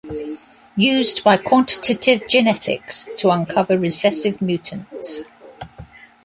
Used by Quantitative Genetics to uncover recessive mutants.